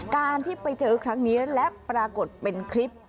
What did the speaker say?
การที่ไปเจอครั้งนี้และปรากฏเป็นคลิป